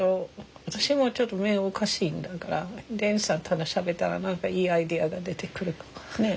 私もちょっと目おかしいだからデンさんとしゃべったら何かいいアイデアが出てくるかも。